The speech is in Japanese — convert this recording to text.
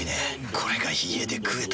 これが家で食えたなら。